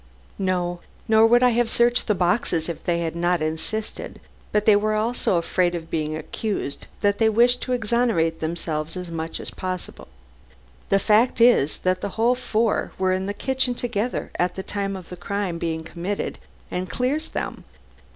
"No. Nor would I have searched their boxes had they not insisted. But they were all so afraid of being accused, that they wished to exonerate themselves as much as possible. The fact that the whole four were in the kitchen together at the time the crime was committed quite clears them.